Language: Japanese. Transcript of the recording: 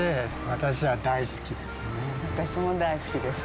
私も大好きです。